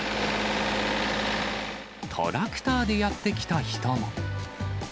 トラクターでやって来た人も。